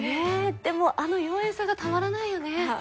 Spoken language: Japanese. でもあの妖艶さがたまらないよね